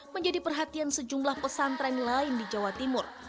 menjadi perhatian sejumlah pesantren lain di jawa timur